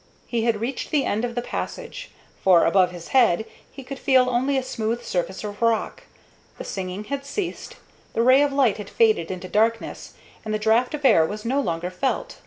He had reached the end of the passage; for, above his head, he could feel only a smooth surface of rock. The singing had ceased, the ray of light had faded into darkness, and the draught of air was no longer felt.